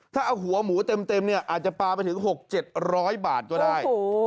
ถ้าเอาหัวหมูเต็มเนี่ยอาจจะปลาไปถึง๖๗๐๐บาทก็ได้